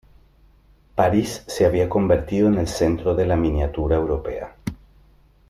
París se había convertido en el centro de la miniatura europea.